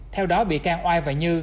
theo đó bị can oai và như